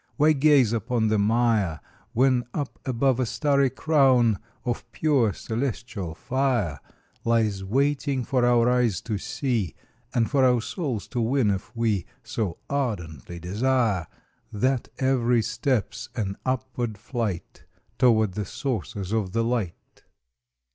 *~* Why gaze upon the mire When up above a starry crown Of pure celestial fire Lies waiting for our eyes to see, And for our souls to win if we So ardently desire That every step s an upward flight Toward the sources of the light?